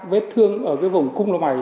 vết thương ở cái vùng cung lồng này